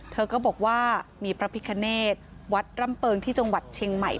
เธอก็บอกว่ามีพระพิคเนตวัดร่ำเปิงที่จังหวัดเชียงใหม่